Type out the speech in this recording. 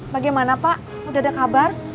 bagaimana pak udah ada kabar